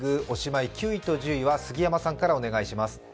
おしまい、９位と１０位は杉山さんからお願いします。